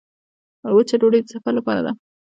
وچه ډوډۍ د سفر لپاره ده.